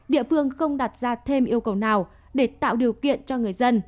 địa phương không đặt ra thêm yêu cầu nào để tạo điều kiện cho người dân